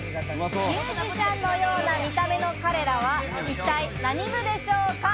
ミュージシャンのような見た目の彼らは、一体何部でしょうか？